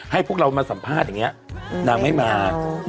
พวกเรามาสัมภาษณ์อย่างนี้นางไม่มา